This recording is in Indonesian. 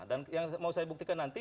dan yang mau saya buktikan nanti